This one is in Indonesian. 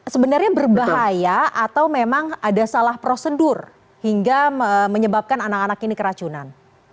sebenarnya berbahaya atau memang ada salah prosedur hingga menyebabkan anak anak ini keracunan